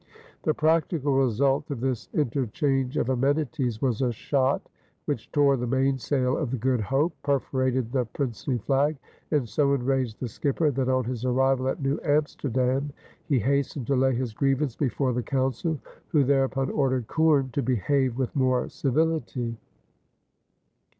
The practical result of this interchange of amenities was a shot which tore the mainsail of the Good Hope, "perforated the princely flag," and so enraged the skipper that on his arrival at New Amsterdam he hastened to lay his grievance before the Council, who thereupon ordered Coorn to behave with more civility.